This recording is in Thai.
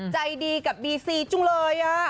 ใจดีกับบีซีจริงเลยอ่ะ